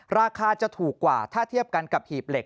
ราคาจะถูกกว่าถ้าเทียบกันกับหีบเหล็ก